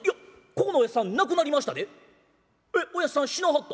ここのおやっさん亡くなりましたん？」。